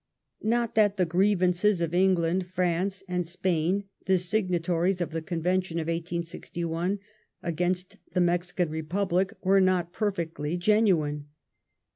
Not that the grievances of England, France, and Spain, the signatories of the Convention of 1861, against the Mexican Republic, were not perfectly genuine.